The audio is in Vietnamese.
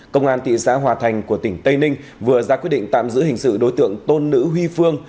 công an thị xã hòa thành của tỉnh tây ninh vừa ra quyết định tạm giữ hình sự đối tượng tôn nữ huy phương